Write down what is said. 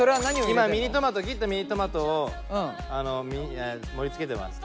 今ミニトマト切ったミニトマトを盛り付けてます。